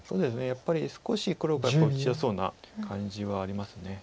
やっぱり少し黒が打ちやすそうな感じはあります。